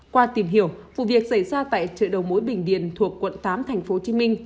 qua tìm hiểu vụ việc xảy ra tại chợ đầu mối bình điền thuộc quận tám tp hcm